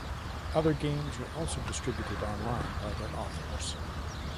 Other games were also distributed online by their authors.